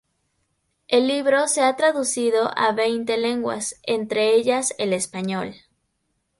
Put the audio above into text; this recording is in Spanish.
El libro se ha traducido a veinte lenguas, entre ellas el español.